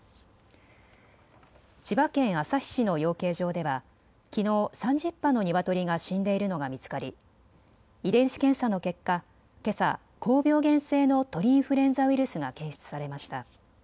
千葉県旭市の養鶏場ではきのう３０羽のニワトリが死んでいるのが見つかり遺伝子検査の結果、けさ高病原性の鳥インフルエンザウイルスが検出されました。